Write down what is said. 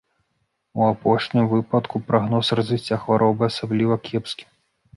У апошнім выпадку прагноз развіцця хваробы асабліва кепскі.